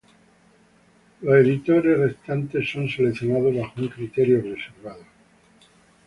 Los editores restantes son seleccionados bajo un criterio reservado.